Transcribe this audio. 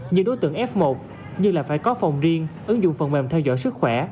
như đối tượng f một như là phải có phòng riêng ứng dụng phần mềm theo dõi sức khỏe